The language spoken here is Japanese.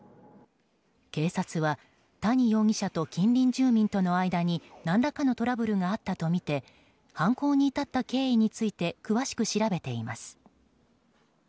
警察は谷容疑者と近隣住民との間に何らかのトラブルがあったとみて犯行に至った経緯について詳しく調べています。